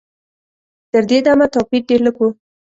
تر دې دمه توپیر ډېر لږ و.